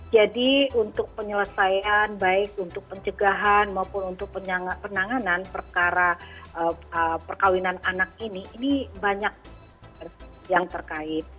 untuk penyelesaian baik untuk pencegahan maupun untuk penanganan perkara perkawinan anak ini ini banyak yang terkait